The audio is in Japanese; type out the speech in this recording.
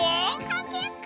かけっこ！